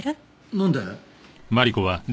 なんで？